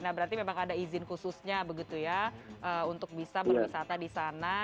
nah berarti memang ada izin khususnya begitu ya untuk bisa berwisata di sana